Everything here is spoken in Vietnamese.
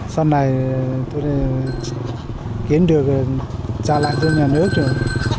sau này tôi kiếm được trả lại cho nhà nước rồi